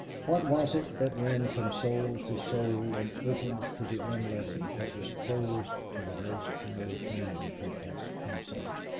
What was it that ran from soul to soul and opened to the unlettered what was closed to the most highly trained, he asked himself.